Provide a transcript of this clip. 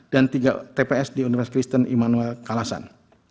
dan tiga tps di universitas kristen immanuel kalasan